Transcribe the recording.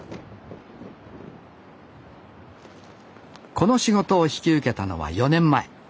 この仕事を引き受けたのは４年前。